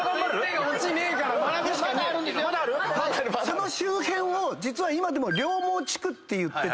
その周辺を今でも両毛地区っていってて。